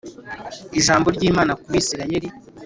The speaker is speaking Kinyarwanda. ijambo ry Imana ku Bisirayeli